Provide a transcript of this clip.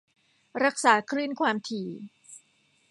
รักษาคลื่นความถี่